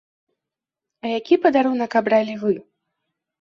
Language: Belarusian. А які падарунак абралі вы?